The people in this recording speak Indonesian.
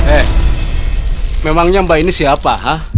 eh memangnya mbak ini siapa